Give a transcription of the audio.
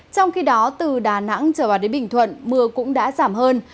trong khi đó từ đà nẵng trở vào đến bình thuận mưa cũng đã giảm hơn